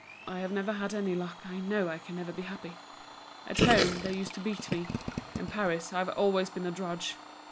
I have never had any luck, I know I can never be happy. At home, they used to beat me. In Paris, I've always been a drudge.